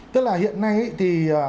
tức là hiện nay thì